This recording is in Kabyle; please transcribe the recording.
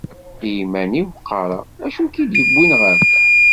I yiman-iw qqareɣ acu i ak-id-yewwin ɣer da.